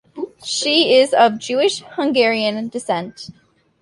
She is of Jewish Hungarian descent.